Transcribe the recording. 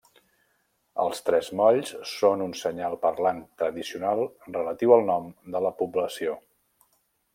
Els tres molls són un senyal parlant tradicional relatiu al nom de la població.